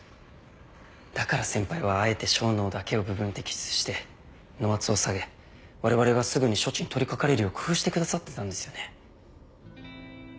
だから先輩はあえて小脳だけを部分摘出して脳圧を下げわれわれがすぐに処置に取りかかれるよう工夫してくださってたんですよね。